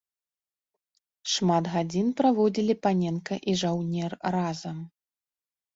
Шмат гадзін праводзілі паненка і жаўнер разам.